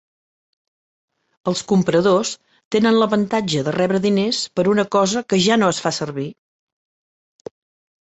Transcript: Els compradors tenen l'avantatge de rebre diners per una cosa que ja no es fa servir.